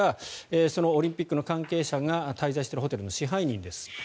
そのオリンピックの関係者が滞在しているホテルの支配人です。